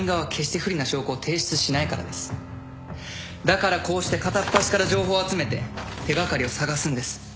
だからこうして片っ端から情報を集めて手掛かりを探すんです。